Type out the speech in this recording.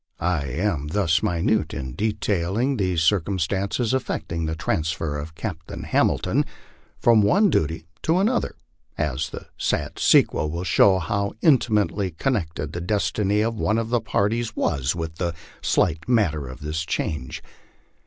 I am thus minute in detailing these circumstances affecting the transfer of Captain Hamilton from one duty to an other, as the sad sequel will show how intimately connected the destiny of one of the parties was with the slight matter of this change.